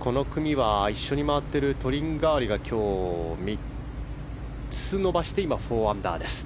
この組は一緒に回っているトリンガーリが今日、３つ伸ばして４アンダーです。